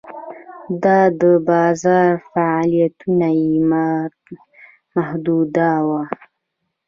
دا د بازار فعالیتونه یې محدوداوه.